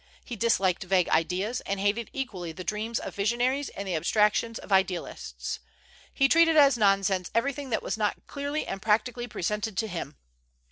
He disliked vague ideas, and hated equally the dreams of visionaries and the abstractions of idealists. He treated as nonsense everything that was not clearly and practically presented to him.